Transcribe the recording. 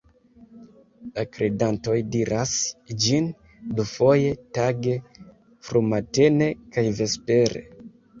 La kredantoj diras ĝin dufoje tage, frumatene kaj vespere.